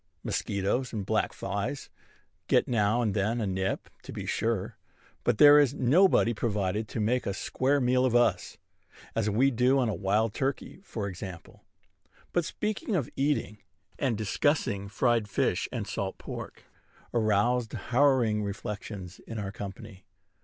Mosquitoes and black flies get now and then a nip, to be sure; but there is nobody provided to make a square meal of us, as we do on a wild turkey, for example. But speaking of eating, and discussing fried fish and salt pork, aroused harrowing reflections in our company.